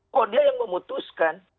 kok dia yang memutuskan